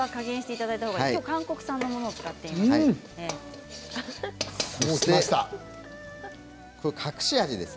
きょうは韓国産のものを使っています。